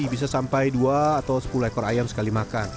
bisa sampai dua atau sepuluh ekor ayam sekali makan